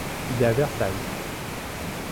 Il est à Versailles.